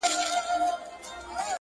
ګلکده وجود دي تاته مبارک وي,